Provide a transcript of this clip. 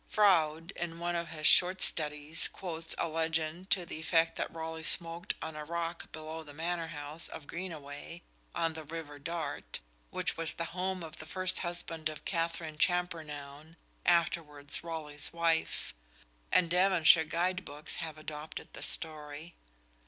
Froude, in one of his "Short Studies," quotes a legend to the effect that Raleigh smoked on a rock below the Manor House of Greenaway, on the River Dart, which was the home of the first husband of Katherine Champernowne, afterwards Raleigh's wife; and Devonshire guide books have adopted the story.